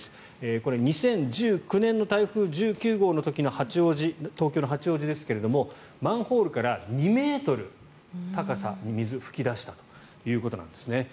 これ、２０１９年の台風１９号の時の東京の八王子ですけれどもマンホールから２ｍの高さの水が噴き出したということです。